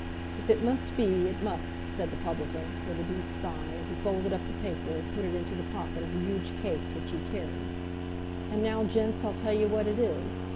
"If it must be, it must," said the publican, with a deep sigh, as he folded up the paper and put it into the pocket of a huge case which he carried. "And now, gents, I'll tell you what it is.